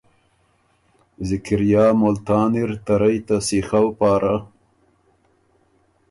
ذکریا ملتانی ر ته رئ ته سیخؤ پاره